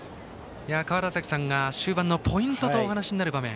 川原崎さんが終盤のポイントとお話になる場面。